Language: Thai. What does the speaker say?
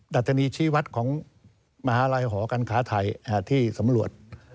ดัชนีชีวัตรของมหาลัยหอการค้าไทยที่สำรวจ